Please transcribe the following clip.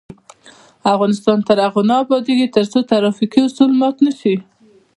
افغانستان تر هغو نه ابادیږي، ترڅو ترافیکي اصول مات نشي.